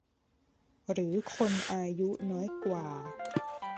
หรือคนอายุน้อยกว่า